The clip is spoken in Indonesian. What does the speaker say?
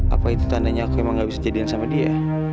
apa itu tandanya aku emang gak bisa jadian sama dia